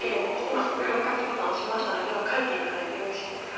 今お絵描きボタンを押しましたのででは描いて頂いてよろしいですか。